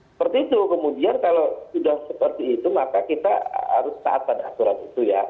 seperti itu kemudian kalau sudah seperti itu maka kita harus taat pada aturan itu ya